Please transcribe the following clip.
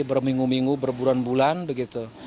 berminggu minggu berbulan bulan begitu